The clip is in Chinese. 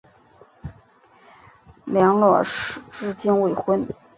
梁洛施至今未婚。